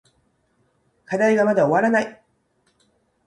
課題がまだ終わらない。